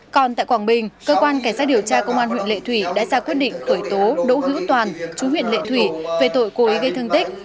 còn tại quảng bình cơ quan cảnh sát điều tra công an huyện lệ thủy đã ra quyết định khởi tố đỗ hữu toàn chú huyện lệ thủy về tội cố ý gây thương tích